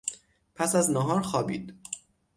پس از نهار خوابید.